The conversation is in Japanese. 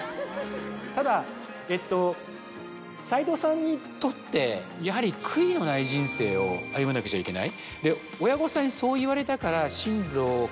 ただ齋藤さんにとってやはり悔いのない人生を歩まなくちゃいけない。ということが。